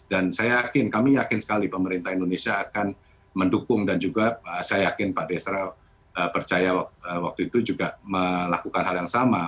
dan saya yakin kami yakin sekali pemerintah indonesia akan mendukung dan juga saya yakin pak desra percaya waktu itu juga melakukan hal yang sama